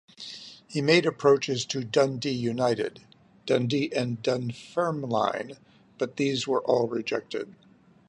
He made approaches to Dundee United, Dundee and Dunfermline, but these were all rejected.